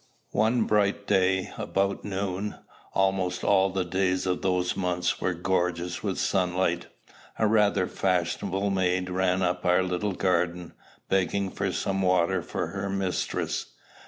One bright day, about noon, almost all the days of those months were gorgeous with sunlight, a rather fashionable maid ran up our little garden, begging for some water for her mistress.